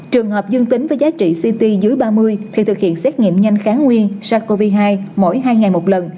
trường hợp dương tính với giá trị ct dưới ba mươi thì thực hiện xét nghiệm nhanh kháng nguyên sars cov hai mỗi hai ngày một lần